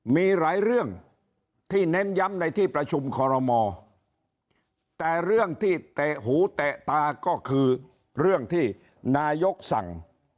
มีหลายเรื่องที่เน้นย้ำในที่ประชุมคอรมอแต่เรื่องที่เตะหูแตะตาก็คือเรื่องที่นายกสั่ง